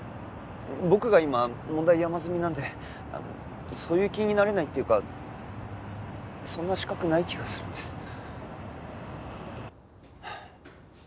僕が今問題山積みなんでそういう気になれないっていうかそんな資格ない気がするんです。